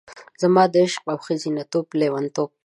زما د عشق او ښځینه لیونتوب،